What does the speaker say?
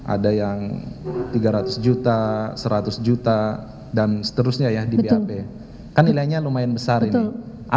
ada yang tiga ratus juta seratus juta dan seterusnya ya di bap kan nilainya lumayan besar ini